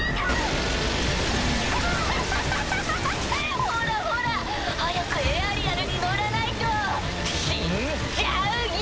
ほらほら早くエアリアルに乗らないと死んじゃうよ！